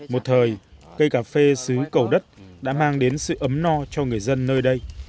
một thời cây cà phê xứ cầu đất đã mang đến sự ấm no cho người dân nơi đây